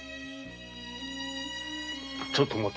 ちょっと待て。